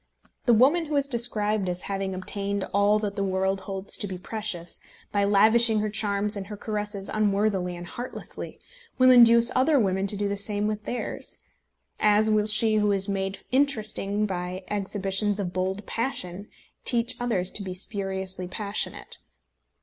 The woman who is described as having obtained all that the world holds to be precious, by lavishing her charms and her caresses unworthily and heartlessly, will induce other women to do the same with theirs, as will she who is made interesting by exhibitions of bold passion teach others to be spuriously passionate.